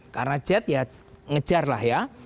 karena jet ya ngejar lah ya